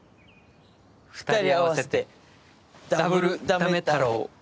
２人合わせてダブルダメ太郎。